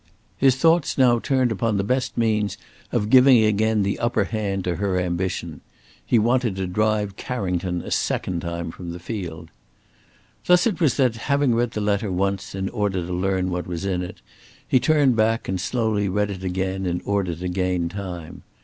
His thoughts now turned upon the best means of giving again the upper hand to her ambition. He wanted to drive Carrington a second time from the field. Thus it was that, having read the letter once in order to learn what was in it, he turned back, and slowly read it again in order to gain time.